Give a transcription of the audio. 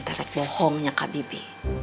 terik bohongnya kak bibi